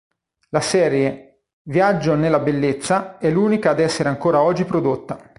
La serie "Viaggio nella bellezza" è l'unica ad essere ancora oggi prodotta.